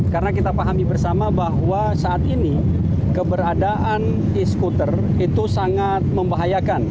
karena kita pahami bersama bahwa saat ini keberadaan e scooter itu sangat membahayakan